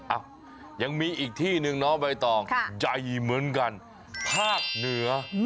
อ้าวยังมีอีกที่นึงเนาะบายต่อใจเหมือนกันภาคเหนือ